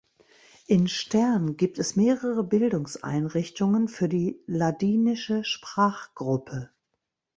In Stern gibt es mehrere Bildungseinrichtungen für die ladinische Sprachgruppe.